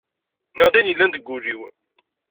NniƔ-d ayen illan deg ul-iw.